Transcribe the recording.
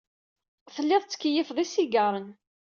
Tellid tettkeyyifed isigaṛen.